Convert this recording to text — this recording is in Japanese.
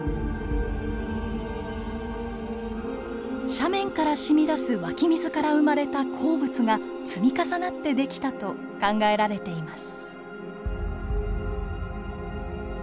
斜面からしみ出す湧き水から生まれた鉱物が積み重なって出来たと考えられています。